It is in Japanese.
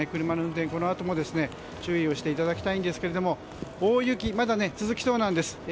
車の運転、このあとも注意をしていただきたいんですが大雪、まだ続きそうなんです。